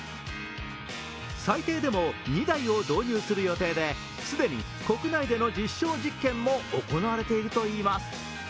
最低でも２台を導入する予定で既に国内での実証実験も行われているといいます。